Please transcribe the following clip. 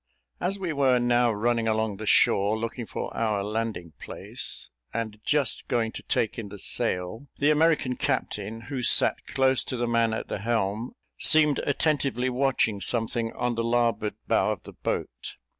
As we were now running along the shore, looking for our landing place, and just going to take in the sail, the American captain, who sat close to the man at the helm, seemed attentively watching something on the larboard bow of the boat.